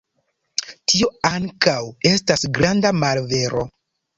Tio ankaŭ estas granda malvero.